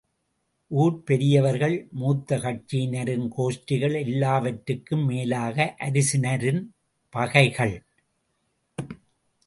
ஊர்ப் பெரியவர்கள், மூத்த கட்சியினரின் கோஷ்டிகள், எல்லாவற்றுக்கும் மேலாக அரசினரின் பகைகள்.